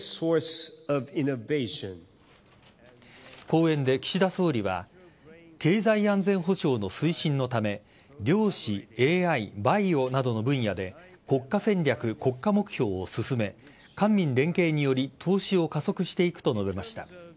講演で岸田総理は経済安全保障の推進のため量子、ＡＩ、バイオなどの分野で国家戦略・国家目標を進め官民連携により投資を加速していくと述べました。